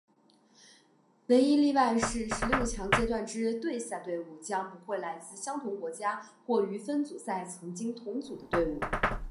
唯一例外是十六强阶段之对赛对伍将不会来自相同国家或于分组赛曾经同组的队伍。